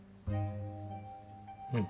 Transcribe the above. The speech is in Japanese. うん。